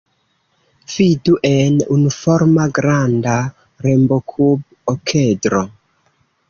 Vidu en unuforma granda rombokub-okedro.